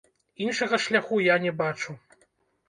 Іншага шляху я не бачу.